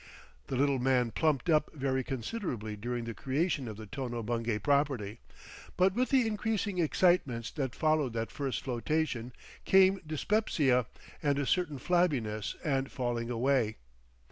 The little man plumped up very considerably during the creation of the Tono Bungay property, but with the increasing excitements that followed that first flotation came dyspepsia and a certain flabbiness and falling away.